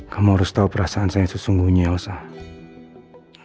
kamu harus tahu perasaan saya sesungguhnya yalsan